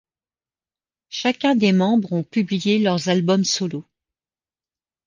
Chacun des membres ont publié leurs albums solos.